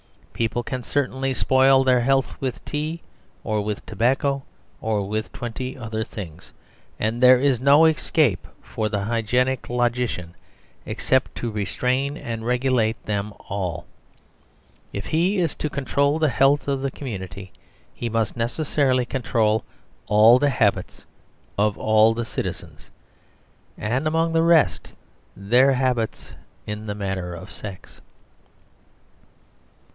People can certainly spoil their health with tea or with tobacco or with twenty other things. And there is no escape for the hygienic logician except to restrain and regulate them all. If he is to control the health of the community, he must necessarily control all the habits of all the citizens, and among the rest their habits in the matter of sex.